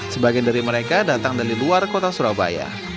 sebagian dari mereka datang dari luar kota surabaya